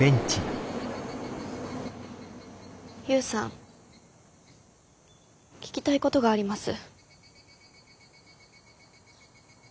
勇さん聞きたいことがあります。